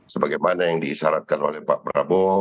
sebagaimana yang diisyaratkan oleh pak prabowo